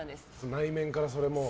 内面から、それも。